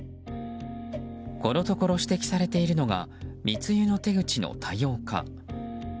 このところ指摘されているのが密輸の手口の多様化。